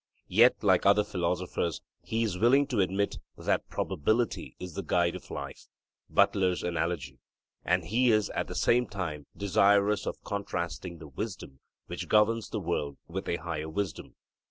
Yet, like other philosophers, he is willing to admit that 'probability is the guide of life (Butler's Analogy.);' and he is at the same time desirous of contrasting the wisdom which governs the world with a higher wisdom.